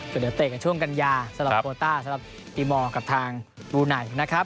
ก็เดี๋ยวเตะกันช่วงกันยาสำหรับโคต้าสำหรับตีมอร์กับทางบลูไนท์นะครับ